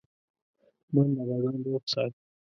منډه بدن روغ ساتي